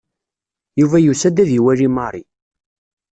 Yuba yusa-d ad iwali Mary.